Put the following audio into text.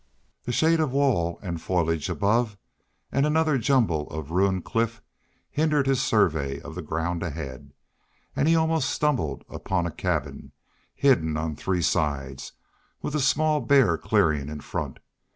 The shade of wall and foliage above, and another jumble of ruined cliff, hindered his survey of the ground ahead, and he almost stumbled upon a cabin, hidden on three sides, with a small, bare clearing in front.